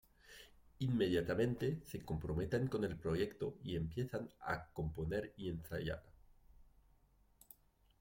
Inmediatamente se comprometen con el proyecto y empiezan a componer y ensayar.